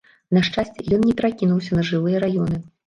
На шчасце, ён не перакінуўся на жылыя раёны.